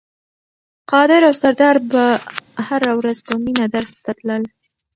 قادر او سردار به هره ورځ په مینه درس ته تلل.